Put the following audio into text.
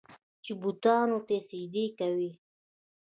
چې بوتانو ته سجدې کوي.